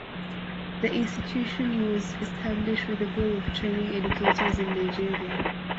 The institution was established with the goal of training educators in Nigeria.